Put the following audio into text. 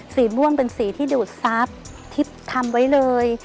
สีม่วงเป็นสีที่ดูดทรัพย์ที่ทำไว้เลย